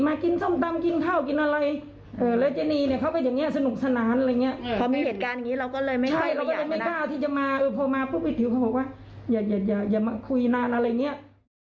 ก็ไม่ได้กินกินก่อนที่เราไม่ได้กินก็ถือว่าโควิดเนี่ย